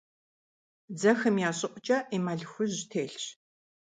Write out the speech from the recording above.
Дзэхэм я щӀыӀукӀэ эмаль хужь телъщ.